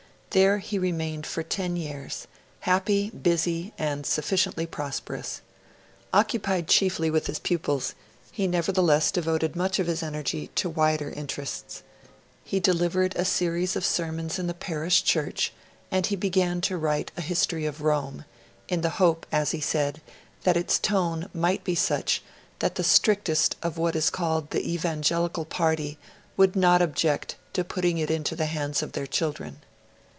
There he remained for ten years happy, busy, and sufficiently prosperous. Occupied chiefly with his pupils, he nevertheless devoted much of his energy to wider interests. He delivered a series of sermons in the parish church; and he began to write a History of Rome, in the hope, as he said, that its tone might be such 'that the strictest of what is called the Evangelical party would not object to putting it into the hands of their children'.